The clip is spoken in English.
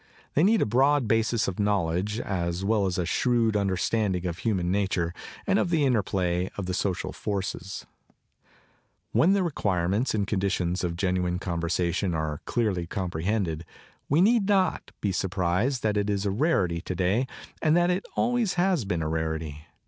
They need a broad basis of knowledge as well as a shrewd understanding of human nature and of the in terplay of the social forces. 162 CONCERNING CONVERSATION When the requirements and conditions of genuine conversation are clearly apprehended, we need not be surprised that it is a rarity today and that it always has been a rarity.